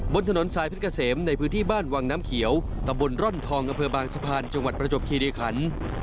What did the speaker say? บนถนนสายเพชรเกษมในพื้นที่บ้านวังน้ำเขียวตำบลร่อนทองอำเภอบางสะพานจังหวัดประจบคีริคัน